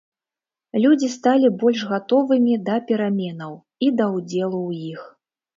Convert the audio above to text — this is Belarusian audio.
Людзі сталі больш гатовымі да пераменаў і да ўдзелу ў іх.